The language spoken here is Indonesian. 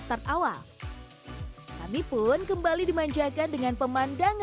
sekolah perjalanan kru bosan